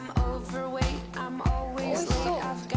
おいしそう。